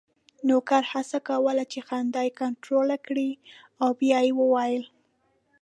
نوکر هڅه کوله چې خندا یې کنټرول کړي او بیا یې وویل: